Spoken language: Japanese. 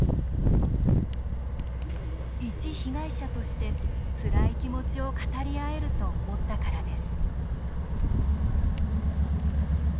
一被害者として、つらい気持ちを語り合えると思ったからです。